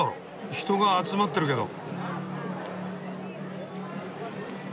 人が集まってるけど。